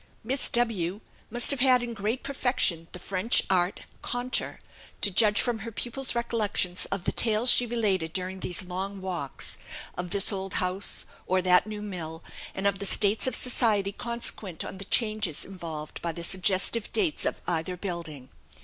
Miss W must have had in great perfection the French art, "conter," to judge from her pupil's recollections of the tales she related during these long walks, of this old house, or that new mill, and of the states of society consequent on the changes involved by the suggestive dates of either building.